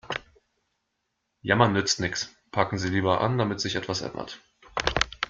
Jammern nützt nichts, packen Sie lieber an, damit sich etwas ändert.